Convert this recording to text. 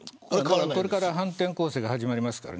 これから反転攻勢が始まります。